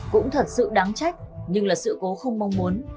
cũng thật sự đáng trách nhưng là sự cố không mong muốn